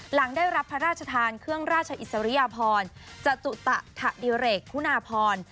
หลังได้รับพระราชทานเครื่องราชอิสริยพรจตุตะถดิเรกคุณาพร